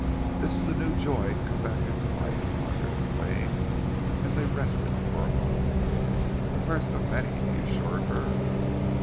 "This is a new joy come back into life!" Margaret exclaimed, as they rested for a moment. "The first of many," he assured her.